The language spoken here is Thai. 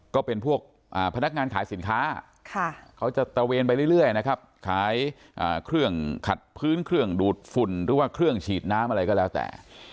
ก็เป็นพวกพนักงานขายสินค้าเขาจะตระเวนไปเรื่อยนะครับขายเครื่องขัดพื้นเครื่องดูดฝุ่นหรือว่าเครื่องฉีดน้ำอะไรก็แล้วแต่